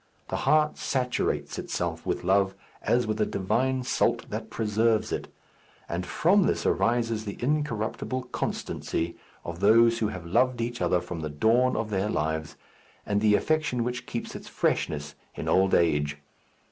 The heart saturates itself with love as with a divine salt that preserves it, and from this arises the incorruptible constancy of those who have loved each other from the dawn of their lives, and the affection which keeps its freshness in old age.